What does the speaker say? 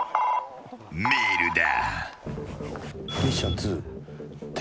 メールだ。